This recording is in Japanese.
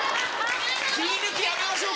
切り抜きやめましょう